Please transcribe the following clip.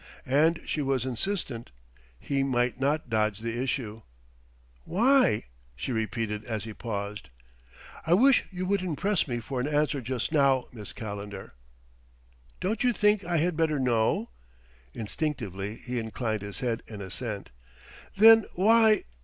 And she was insistent; he might not dodge the issue. "Why?" she repeated as he paused. "I wish you wouldn't press me for an answer just now, Miss Calendar." "Don't you think I had better know?" Instinctively he inclined his head in assent. "Then why